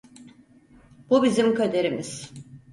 Bu bizim kaderimiz.